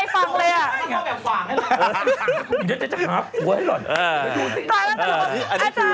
อิติคนจากไว้ล่ะ